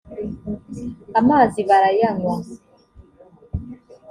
amazi barayanywa